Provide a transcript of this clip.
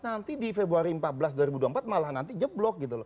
nanti di februari empat belas dua ribu dua puluh empat malah nanti jeblok gitu loh